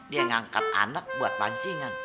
dia ngangkat anak buat pancingan